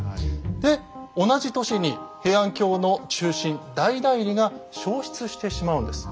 で同じ年に平安京の中心大内裏が焼失してしまうんです。